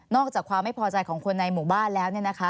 อกจากความไม่พอใจของคนในหมู่บ้านแล้ว